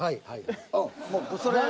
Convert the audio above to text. はい。